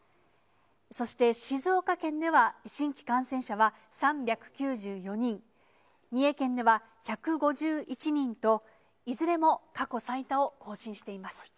そして静岡県では、新規感染者は３９４人、三重県では１５１人と、いずれも過去最多を更新しています。